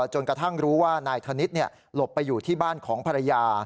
จนกระทั่งรู้ว่านายธนิษฐ์หลบไปอยู่ที่บ้านของภรรยา